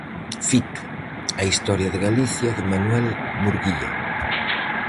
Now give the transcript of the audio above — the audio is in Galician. Fito: A historia de Galicia de Manuel Murguía.